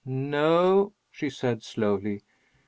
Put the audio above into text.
"No," she said, slowly.